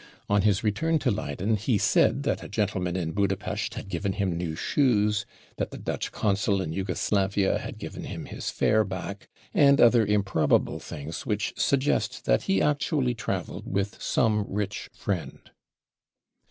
On Ms return to Leyden he said that a gentleman in Budapest had given him new shoes, that the Dutch consul in Jugo slavia had given him his fare back, and other improbable things which suggest that he actually travelled with some rich friend.